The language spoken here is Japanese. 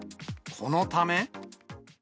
このため。